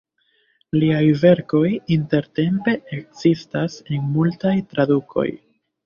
Liaj verkoj intertempe ekzistas en multaj tradukoj.